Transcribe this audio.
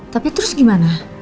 tapi terus gimana